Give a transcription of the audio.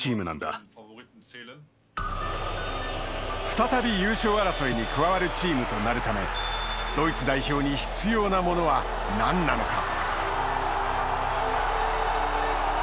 再び優勝争いに加わるチームとなるためドイツ代表に必要なものは何なのか。